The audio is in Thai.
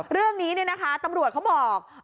เรื่องนี้เนี่ยนะคะตำรวจเขาบอก